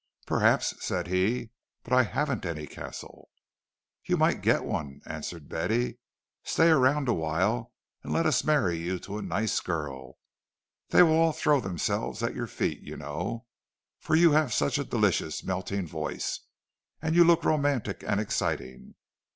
"Perhaps," said he, "but I haven't any castle." "You might get one," answered Betty. "Stay around awhile and let us marry you to a nice girl. They will all throw themselves at your feet, you know, for you have such a delicious melting voice, and you look romantic and exciting."